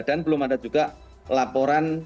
dan belum ada juga laporan